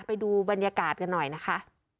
ไปดูบรรยากาศกันหน่อยนะคะ